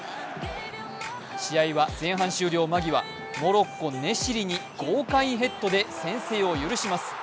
試合は前半終了間際モロッコ・ネシリに豪快ヘッドで先制を許します。